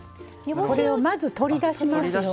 これをまず取り出しますよ。